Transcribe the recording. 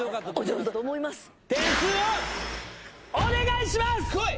点数をお願いします！